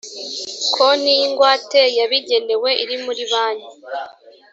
konti y ingwate yabigenewe iri muri banki